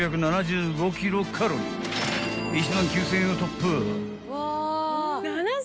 ［１万９，０００円を突破］